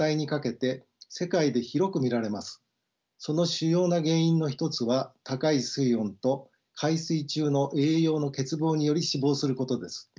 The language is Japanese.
その主要な原因の一つは高い水温と海水中の栄養の欠乏により死亡することです。